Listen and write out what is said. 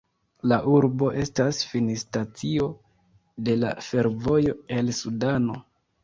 La urbo estas finstacio de la fervojo el Sudano.